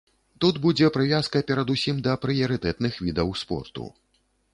Тут будзе прывязка перадусім да прыярытэтных відаў спорту.